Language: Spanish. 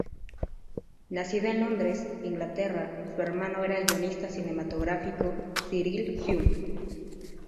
Nacida en Londres, Inglaterra, su hermano era el guionista cinematográfico Cyril Hume.